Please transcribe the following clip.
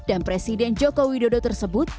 dan presiden joko widodo tersebut